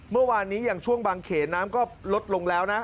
เมื่อวานนี้อย่างช่วงบางเขนน้ำก็ลดลงแล้วนะ